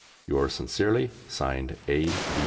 Yours sincerely, (Signed) A. B.